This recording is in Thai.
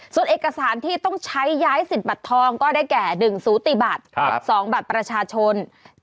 ส่วนเอกสารที่ต้องใช้ย้ายสิทธิ์บัตรทองก็ได้แก่๑สูติบัตร๒บัตรประชาชน